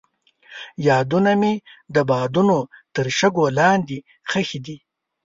یادونه مې د بادونو تر شګو لاندې ښخې دي.